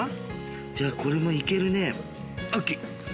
じゃあこれもいけるね。